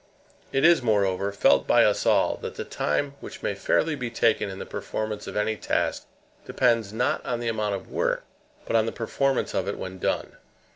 It is, moreover, felt by us all that the time which may fairly be taken in the performance of any task depends, not on the amount of work, but on the performance of it when done.